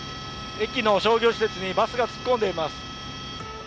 駅の商業施設にバスが突っ込んでいます。